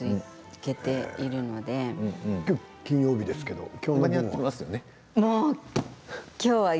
今日は金曜日ですけれども今日は間に合ってますよね。